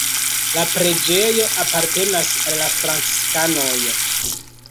La preĝejo apartenas al la franciskanoj.